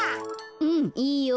うんいいよ。